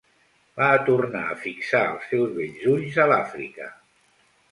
Va tornar a fixar els seus bells ulls a l'Àfrica.